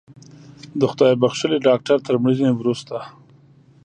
د خدای بښلي ډاکتر تر مړینې وروسته